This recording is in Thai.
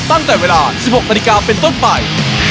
ตั้งแต่เวลา๑๖นาฬิกาเป็นต้นไป